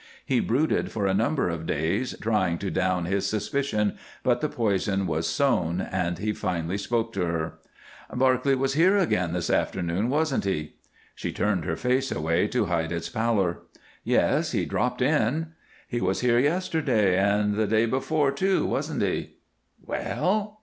He brooded for a number of days, trying to down his suspicion, but the poison was sown, and he finally spoke to her. "Barclay was here again this afternoon, wasn't he?" She turned her face away to hide its pallor. "Yes. He dropped in." "He was here yesterday, and the day before, too, wasn't he?" "Well?"